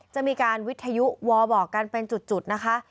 จะมีการวิทยุวอบอกกันเป็นจุดนะคะ